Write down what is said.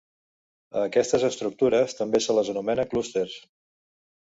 A aquestes estructures també se les anomena clústers.